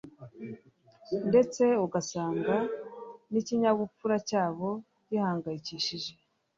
ndetse ugasanga n’ikinyabupfura cyabo gihangayikishije